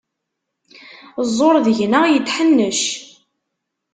Ẓẓur deg-neɣ yetḥennec.